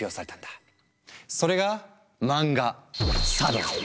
それが漫画「サ道」。